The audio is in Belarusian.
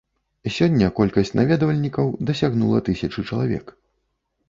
Сёння колькасць наведвальнікаў дасягнула тысячы чалавек.